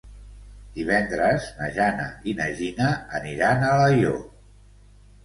Divendres na Jana i na Gina aniran a Alaior.